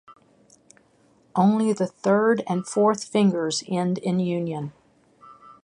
Only the third and fourth fingers end in union.